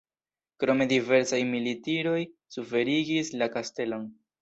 Krome diversaj militiroj suferigis la kastelon.